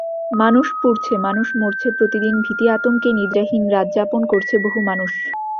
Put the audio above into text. মানুষ পুড়ছে, মানুষ মরছে, প্রতিদিন ভীতি-আতঙ্কে নিদ্রাহীন রাতযাপন করছে বহু মানুষ।